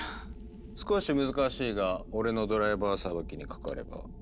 少し難しいが俺のドライバーさばきにかかれば。